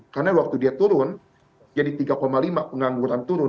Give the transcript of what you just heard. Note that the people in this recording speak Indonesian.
karena waktu dia turun jadi tiga lima pengangguran turun